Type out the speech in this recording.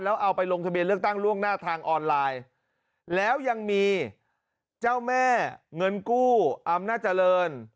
แล้วเอาไปลงทะเบียนเลือกตั้งล่วงหน้าทางออนไลน์แล้วยังมีเจ้าแม่เงินกู้อำนาจเจริญ